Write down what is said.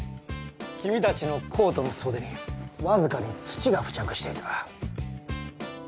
君たちのコートの袖にわずかに土が付着していた。